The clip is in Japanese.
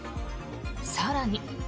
更に。